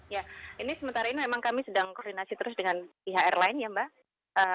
ya ini sementara ini memang kami sedang koordinasi terus dengan pihak airline ya mbak